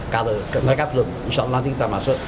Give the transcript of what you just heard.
kalau mereka belum insya allah nanti kita masuk